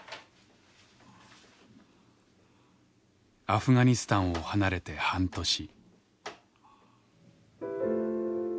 アフガニスタンを離れて半年。